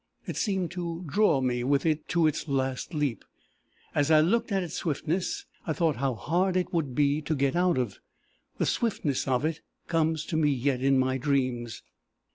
It seemed to draw me with it to its last leap. As I looked at its swiftness, I thought how hard it would be to get out of. The swiftness of it comes to me yet in my dreams.